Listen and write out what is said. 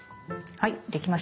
はい。